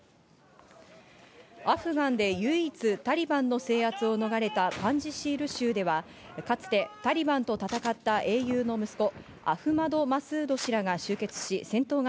アフガンで唯一、タリバンの制圧を逃れたパンジシール州では、かつてタリバンと戦った英雄の息子、アフマド・マスード氏らが集結し、戦闘が